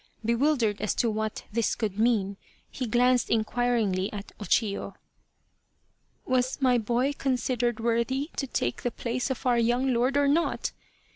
Bewildered as to what this could mean, he glanced inquiringly at O Chiyo. " Was my boy considered worthy to take the place of our young lord or not